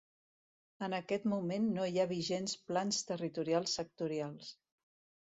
En aquest moment no hi ha vigents plans territorials sectorials.